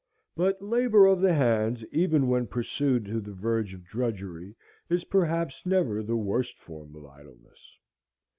But labor of the hands, even when pursued to the verge of drudgery, is perhaps never the worst form of idleness.